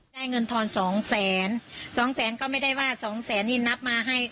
ได้เงินทอนสองแสนสองแสนก็ไม่ได้ว่าสองแสนนี่นับมาให้